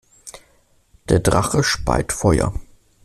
Der Drache speit Feuer.